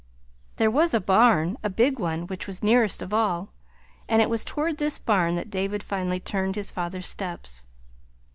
There was a barn, a big one, which was nearest of all; and it was toward this barn that David finally turned his father's steps.